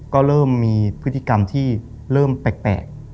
ก็เริ่มมีพฤติกรรมที่เริ่มแปลก